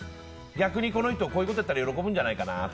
逆にこの人こういうことをやると喜ぶんじゃないかなって。